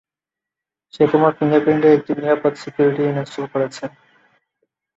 সে তোমার ফিঙ্গারপ্রিন্টের একটি নিরাপদ সিকিউরিটি ইনস্টল করেছে।